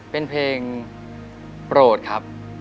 เป็นเพลงโปรดครับ